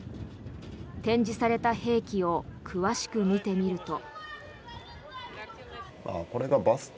展示された兵器を詳しく見てみると。